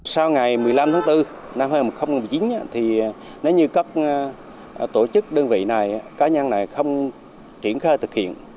sau ngày một mươi năm tháng bốn năm hai nghìn một mươi chín thì nếu như các tổ chức đơn vị này cá nhân này không triển khai thực hiện